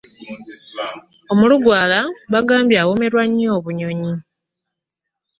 Omulugwala bagamba awoomerwa nnyo obunyonyi.